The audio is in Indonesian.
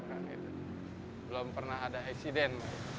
karena belum pernah ada eksiden